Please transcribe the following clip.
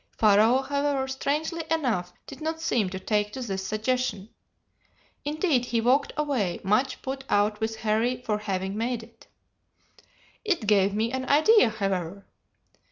Pharaoh however, strangely enough, did not seem to take to this suggestion. Indeed, he walked away, much put out with Harry for having made it. "It gave me an idea, however.